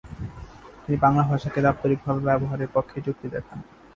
তিনি বাংলা ভাষাকে দাপ্তরিকভাবে ব্যবহারের পক্ষে যুক্তি দেখান।